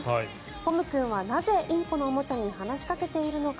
ポム君はなぜインコのおもちゃに話しかけているのか。